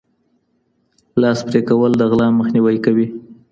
لاس پرېکول د غلا مخنيوی کوي.